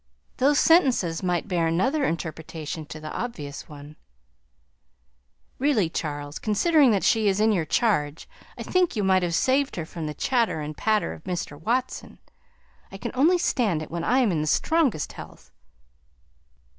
Those sentences might bear another interpretation than the obvious one. "Really, Charles, considering that she is in your charge, I think you might have saved her from the chatter and patter of Mr. Watson; I can only stand it when I am in the strongest health."